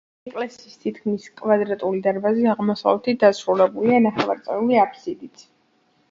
ეკლესიის თითქმის კვადრატული დარბაზი აღმოსავლეთით დასრულებულია ნახევარწრიული აფსიდით.